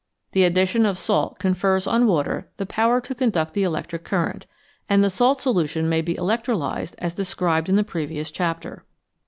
The addition of salt confers on water the power to conduct the electric current, and the salt solution may be electrolysed as described in the previous chapter.